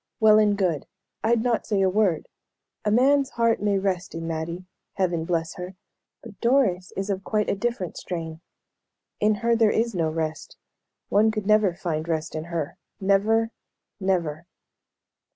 "Well and good. I'd not say a word. A man's heart may rest in Mattie Heaven bless her! But Doris is of quite a different strain. In her there is no rest. One could never find rest in her. Never never."